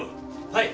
はい。